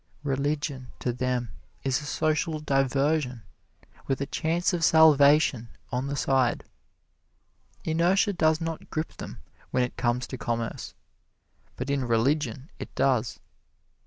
Religion, to them, is a social diversion, with a chance of salvation on the side. Inertia does not grip them when it comes to commerce but in religion it does.